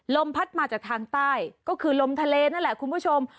พัดมาจากทางใต้ก็คือลมทะเลนั่นแหละคุณผู้ชม